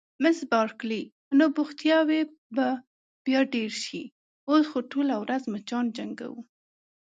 مس بارکلي: نو بوختیاوې به بیا ډېرې شي، اوس خو ټوله ورځ مچان جنګوو.